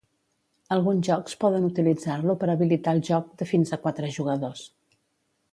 Alguns jocs poden utilitzar-lo per habilitar el joc de fins a quatre jugadors.